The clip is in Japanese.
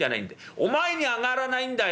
お前にゃ揚がらないんだよ。